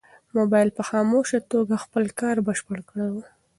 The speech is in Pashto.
موبایل په خاموشه توګه خپل کار بشپړ کړی و.